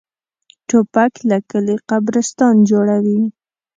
توپک له کلي قبرستان جوړوي.